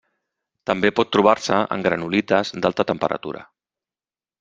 També pot trobar-se en granulites d'alta temperatura.